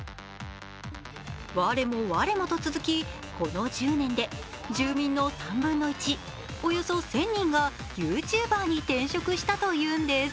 我も我もと続き、この１０年で住民の３分の１、およそ１０００人がＹｏｕＴｕｂｅｒに転職したというんです。